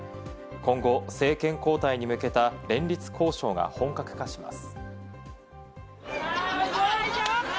今後、政権交代へ向けた連立交渉が本格化します。